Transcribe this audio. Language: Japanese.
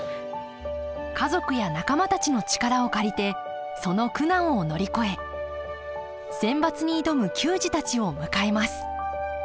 家族や仲間たちの力を借りてその苦難を乗り越えセンバツに挑む球児たちを迎えます